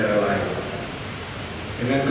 tidak akan dilakukan sanksi